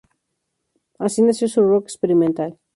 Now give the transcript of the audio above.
Así nació su "Rock Experimental".